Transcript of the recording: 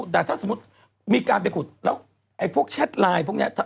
แต่ถ้าสมมุติมีการไปขุดแล้วไอ้พวกแชทไลน์พวกนี้